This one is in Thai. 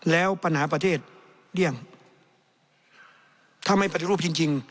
แล้วปัญหาประเทศเลี่ยงถ้าไม่ปฏิรูปจริงจริง